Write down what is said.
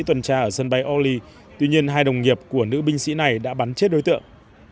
tuần tra ở sân bay oli tuy nhiên hai đồng nghiệp của nữ binh sĩ này đã bắn chết đối tượng